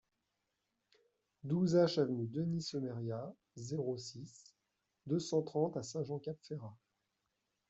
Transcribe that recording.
douze H avenue Denis Semeria, zéro six, deux cent trente à Saint-Jean-Cap-Ferrat